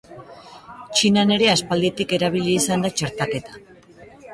Txinan ere aspalditik erabili izan da txertaketa.